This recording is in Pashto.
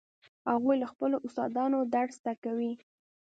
هغوی له خپلو استادانو درس زده کوي